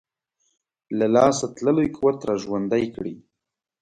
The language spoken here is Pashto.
له لاسه تللی قوت را ژوندی کړي.